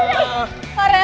oh dia udah naik